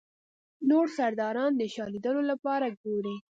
نور سرداران د شاه لیدلو لپاره ګوري.